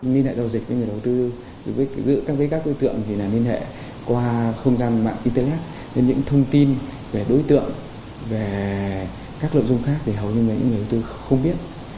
nên hệ giao dịch với người đầu tư giữ các đối tượng thì nên hệ qua không gian mạng internet những thông tin về đối tượng về các lợi dụng khác thì hầu như những người đầu tư không biết